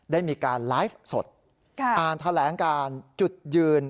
ได้มีการไลฟ์สดอ่านแถลงการจุดยืน